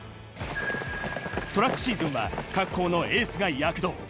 トラックシーズンは各校のエースが躍動。